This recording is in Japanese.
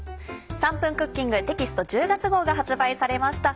『３分クッキング』テキスト１０月号が発売されました。